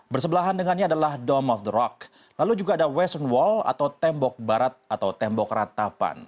bersebelahan dengannya adalah dom of the rock lalu juga ada weson wall atau tembok barat atau tembok ratapan